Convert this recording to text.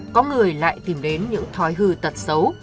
có người lại tìm đến những thói hư tật xấu